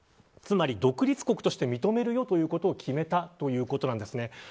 つまり、独立国として認めることを決めたということなんです。